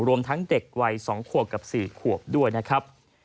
รวมทั้งเด็กวัย๒ขวบกับ๔ขวบด้วยนะครับ